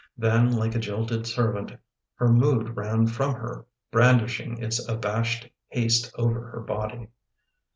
Then, like a jilted servant, her mood ran from her, brandishing its abashed haste over her body.